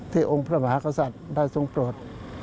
ที่องค์พระมหาขสัตว์ได้ทรงโปรด